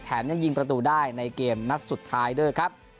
ยังยิงประตูได้ในเกมนัดสุดท้ายด้วยครับ